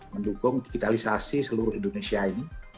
mendukung digitalisasi seluruh indonesia ini